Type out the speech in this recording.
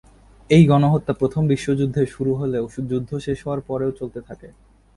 এই গণহত্যা প্রথম বিশ্বযুদ্ধে শুরু হলেও যুদ্ধ শেষ হওয়ার পরেও চলতে থাকে।